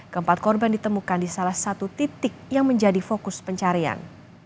keempat korban ditemukan di salah satu titik yang menjadi fokus pencarian